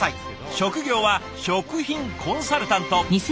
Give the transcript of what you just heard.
職業は食品コンサルタント。